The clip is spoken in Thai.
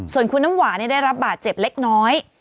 ส่วนคุณน้ำหวานได้รับบาดเจ็บเล็กน้อย